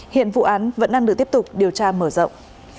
hiện vụ án vẫn đang được tiếp tục điều tra mở rộng